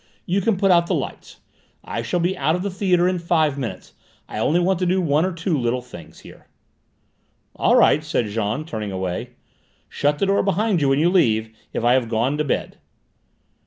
You can put out the lights. I shall be out of the theatre in five minutes; I only want to do one or two little things here." "All right," said Jean, turning away. "Shut the door behind you when you leave, if I have gone to bed."